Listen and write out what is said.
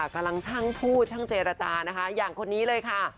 กำลังช่างพูดช่างเจรจานะคะอย่างคนนี้เลยค่ะ